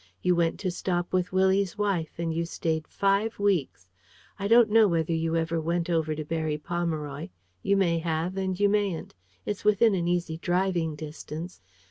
You went to stop with Willie's wife, and you stayed five weeks. I don't know whether you ever went over to Berry Pomeroy. You may have, and you mayn't: it's within an easy driving distance.